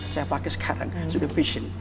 saya pakai sekarang sudah fashion